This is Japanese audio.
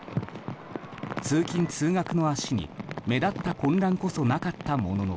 通勤・通学の足に目立った混乱こそなかったものの